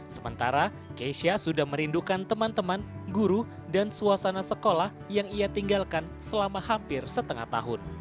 sementara keisha sudah merindukan teman teman guru dan suasana sekolah yang ia tinggalkan selama hampir setengah tahun